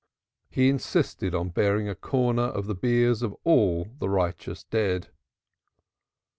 He insisted on bearing a corner of the biers of all the righteous dead.